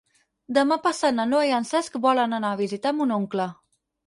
Demà passat na Noa i en Cesc volen anar a visitar mon oncle.